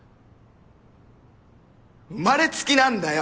生まれつきなんだよ